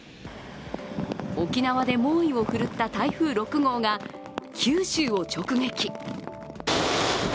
沖縄で猛威を振るった台風６号が九州を直撃。